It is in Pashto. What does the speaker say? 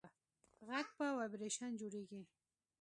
غږ په ویبرېشن جوړېږي.